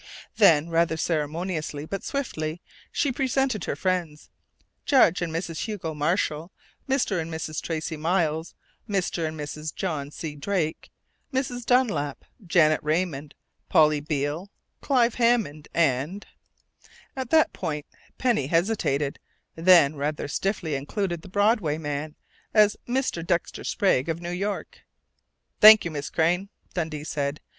Then, rather ceremoniously but swiftly, she presented her friends Judge and Mrs. Hugo Marshall, Mr. and Mrs. Tracey Miles, Mr. and Mrs. John C. Drake, Mrs. Dunlap, Janet Raymond, Polly Beale, Clive Hammond, and At that point Penny hesitated, then rather stiffly included the "Broadway" man, as "Mr. Dexter Sprague of New York." "Thank you, Miss Crain," Dundee said.